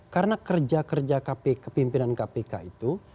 karena kerja kerja pimpinan kpk itu